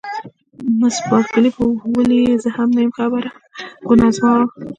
مس بارکلي: په ولې یې زه هم نه یم خبره، ګناه زما وه.